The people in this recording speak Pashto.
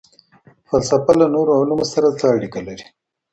فلسفه له نورو علومو سره څه اړیکه لري؟